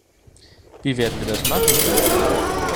Wie werden wir das machen?